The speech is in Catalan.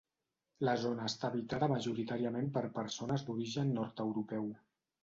La zona està habitada majoritàriament per persones d'origen nord-europeu.